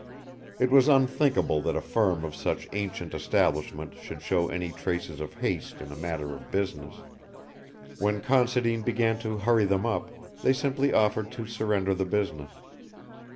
It was unthinkable that a firm of such ancient establishment should show any traces of haste in a matter of business. When Considine began to hurry them up they simply offered to surrender the business.